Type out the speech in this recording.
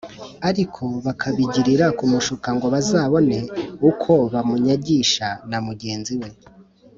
ariko bakabigirira kumushuka ngo bazabone uko bamunyagisha na mugenzi we